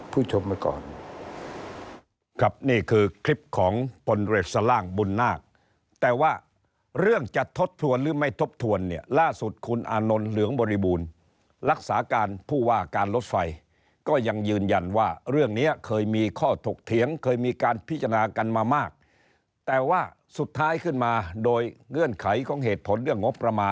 ผมขอลาท่านผู้ชมละก่อน